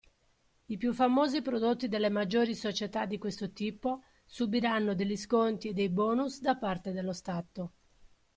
I più famosi prodotti delle maggiori società di questo tipo subiranno degli sconti e dei bonus da parte dello stato.